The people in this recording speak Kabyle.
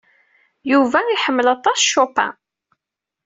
Yuba iḥemmel aṭas Chopin.